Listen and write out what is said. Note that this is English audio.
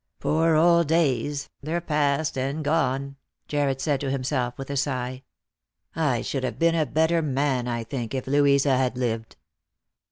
" 1'oor old days, they're past and gone !" Jarred said to him self with a sigh. " I should have been a better man, I think, if Louisa had lived."